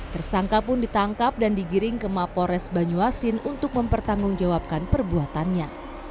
tersangka pun ditangkap dan digiring ke mapores banyuasin untuk mempertanggungjawabkan perbuatannya